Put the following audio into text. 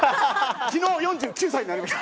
昨日４９歳になりました。